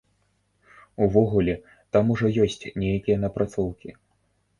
Увогуле, там ужо ёсць нейкія напрацоўкі.